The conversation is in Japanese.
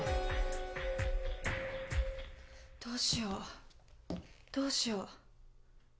どうしようどうしよう。